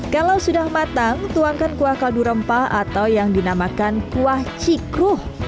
kalau sudah matang tuangkan kuah kaldu rempah atau yang dinamakan kuah cikru